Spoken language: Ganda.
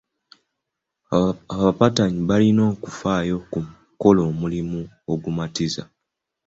Abapatanyi balina okufaayo ku kukola omulimu ogumatiza.